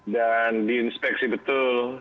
dan diinspeksi betul